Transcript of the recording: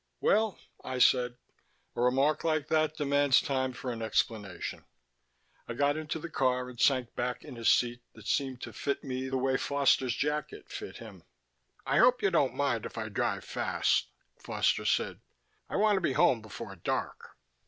"Well," I said, "a remark like that demands time for an explanation." I got into the car and sank back in a seat that seemed to fit me the way Foster's jacket fit him. "I hope you won't mind if I drive fast," Foster said. "I want to be home before dark."